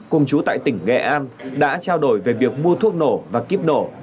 cùng chú tại tỉnh nghệ an đã trao đổi về việc mua thuốc nổ và kíp nổ